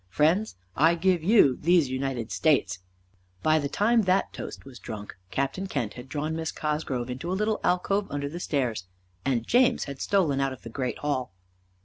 Friends, I give you these United States!" By the time that toast was drunk Captain Kent had drawn Miss Cosgrove into a little alcove under the stairs and James had stolen out of the great hall.